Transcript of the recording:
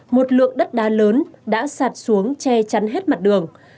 một lượng đất đá lớn đã sạt xuống che chắn hết mặt đường